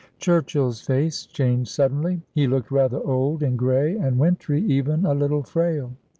Churchill's face changed suddenly. He looked rather old, and grey, and wintry, even a little frail.